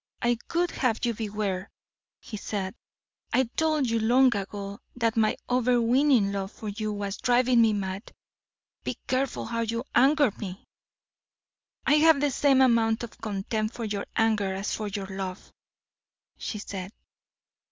"I would have you beware," he said. "I told you long ago that my overweening love for you was driving me mad. Be careful how you anger me." "I have the same amount of contempt for your anger as for your love," she said.